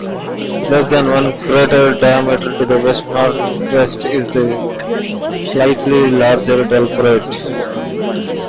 Less than one crater diameter to the west-northwest is the slightly larger Delporte.